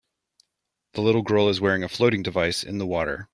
The little girl is wearing a floating device in the water.